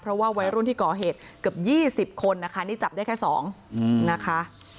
เพราะว่าวัยรุ่นที่ก่อเหตุเกือบ๒๐คนนะคะนี่จับได้แค่๒นะคะ